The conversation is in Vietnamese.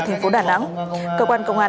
thành phố đà nẵng cơ quan công an